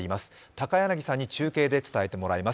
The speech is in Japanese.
高柳さんに中継で伝えてもらいます。